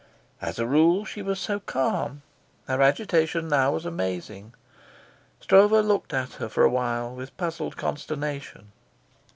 As a rule she was so calm; her agitation now was amazing. Stroeve looked at her for a while with puzzled consternation.